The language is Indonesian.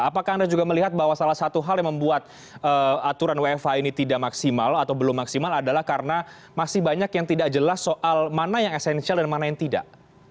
apakah anda juga melihat bahwa salah satu hal yang membuat aturan wfh ini tidak maksimal atau belum maksimal adalah karena masih banyak yang tidak jelas soal mana yang esensial dan mana yang tidak